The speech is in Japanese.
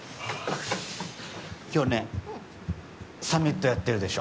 今日、サミットやってるでしょ。